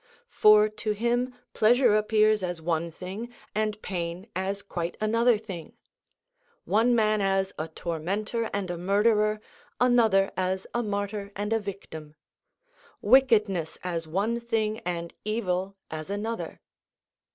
For to him pleasure appears as one thing and pain as quite another thing: one man as a tormentor and a murderer, another as a martyr and a victim; wickedness as one thing and evil as another.